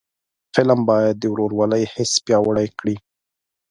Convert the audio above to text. فلم باید د ورورولۍ حس پیاوړی کړي